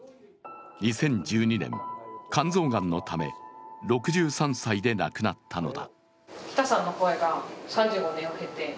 ２０１３年、肝臓がんのため６３歳で亡くなったのだ。